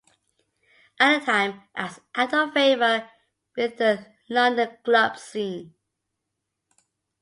At the time, I was out of favour with the London club scene.